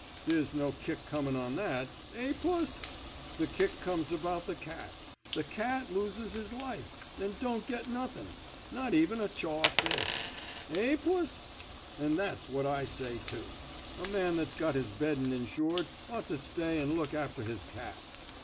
There's no kick comin' on that. Eh, puss! The kick comes about the cat. The cat loses his life, an' don't get nuthin' — not even a chaw o' fish. Eh, puss! An' that's what I say, too. A man that's got his beddin' insured ought to stay an* look after his cat."